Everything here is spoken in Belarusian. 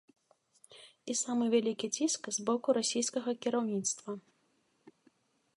І самы вялікі ціск з боку расійскага кіраўніцтва.